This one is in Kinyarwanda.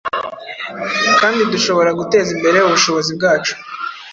kandi dushobora guteza imbere ubushobozi bwacu,